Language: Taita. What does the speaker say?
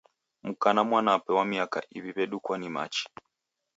Mka na mwanape wa miaka iw'i w'edukwa ni machi.